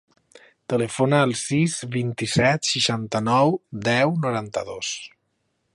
Telefona al sis, vint-i-set, seixanta-nou, deu, noranta-dos.